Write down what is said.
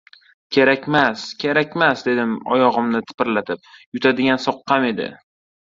— Kerakmas, kerakmas! — dedim oyog‘imni tipirlatib. — Yutadigan soqqam edi.